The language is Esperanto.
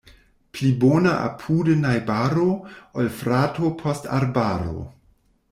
Pli bona apude najbaro, ol frato post arbaro.